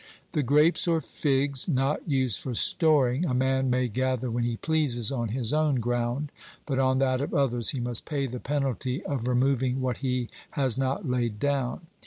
The grapes or figs not used for storing a man may gather when he pleases on his own ground, but on that of others he must pay the penalty of removing what he has not laid down.